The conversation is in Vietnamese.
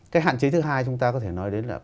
cái hạn chế thứ hai chúng ta có thể nói đến là